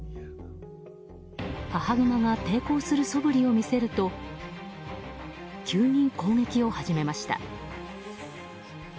母グマが抵抗するそぶりを見せると急に攻撃を始めました。